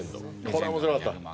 これ面白かった。